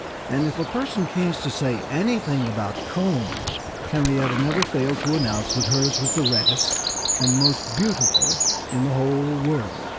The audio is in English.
And if a person chanced to say anything about combs, Henrietta never failed to announce that hers was the reddest and most beautiful in the whole world.